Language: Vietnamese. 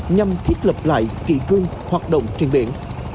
nhằm thiết lập lại kỷ cương hoạt động trên biển